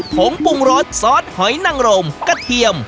งปรุงรสซอสหอยนังรมกระเทียม